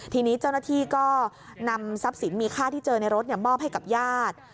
ทีนี้เจ้าหน้าที่ก็นำทรัพย์สินมีค่าที่เจอในรถมอบให้กับญาติ